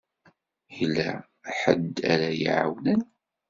Yella ḥedd ara yi-iɛawnen?